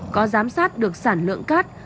có giám sát được sản lượng cát